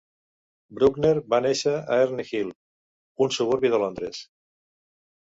Brookner va néixer a Herne Hill, un suburbi de Londres.